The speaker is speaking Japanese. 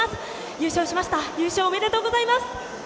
優勝しました、優勝おめでとうございます。